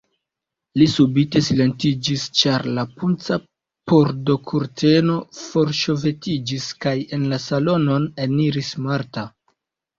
Li subite silentiĝis, ĉar la punca pordokurteno forŝovetiĝis kaj en la salonon eniris Marta.